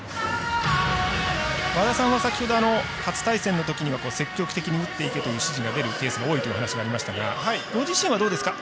和田さんは先ほど初対戦のときには積極的に打っていけという指示が多いという話がありましたがご自身はどうですか。